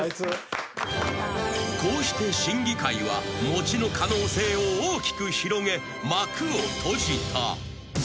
［こうして審議会は餅の可能性を大きく広げ幕を閉じた］